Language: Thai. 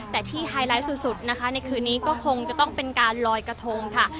แต่ที่ไฮไลท์สุดนะคะในคืนนี้ก็คงจะต้องเป็นการลอยกระทงค่ะ